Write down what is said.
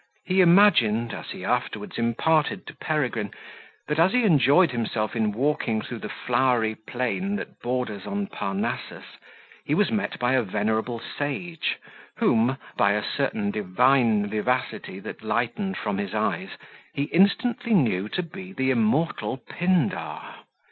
He imagined, as he afterwards imparted to Peregrine, that, as he enjoyed himself in walking through the flowery plain that borders on Parnassus, he was met by a venerable sage, whom, by a certain divine vivacity that lightened from his eyes, he instantly knew to be the immortal Pindar.